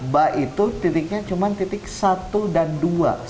ba itu titiknya cuma titik satu dan dua